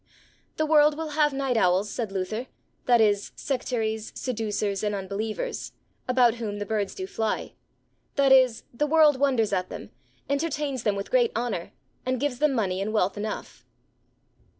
The world will have night owls, said Luther, that is, sectaries, seducers, and unbelievers, about whom the birds do fly; that is, the world wonders at them, entertains them with great honour, and gives them money and wealth enough.